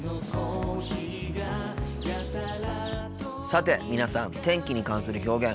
さて皆さん天気に関する表現